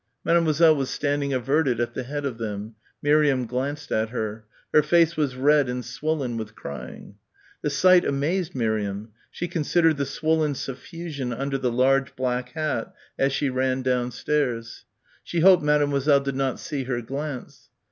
Mademoiselle was standing averted at the head of them; Miriam glanced at her. Her face was red and swollen with crying. The sight amazed Miriam. She considered the swollen suffusion under the large black hat as she ran downstairs. She hoped Mademoiselle did not see her glance....